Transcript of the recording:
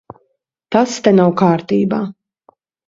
Tas te nav kārtībā.